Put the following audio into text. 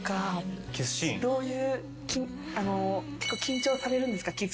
どういう緊張されるんですか？